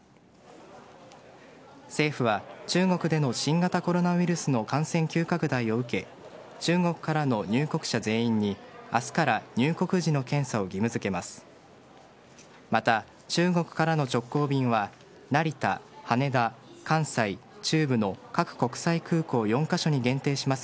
政府は中国での新型コロナウイルスの感染急拡大を受け中国からの入国者全員に明日から入国時の検査を義務付けます。